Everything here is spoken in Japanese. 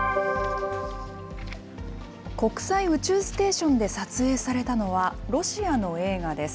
国際宇宙ステーションで撮影されたのは、ロシアの映画です。